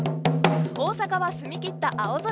大阪は澄み切った青空。